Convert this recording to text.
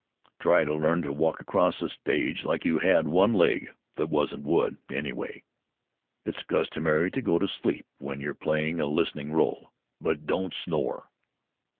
Try to learn to walk across the stage as if you had one leg that wasn't wood, anyway.... It's customary to go to sleep when you're playing a listening rôle, but don't snore!...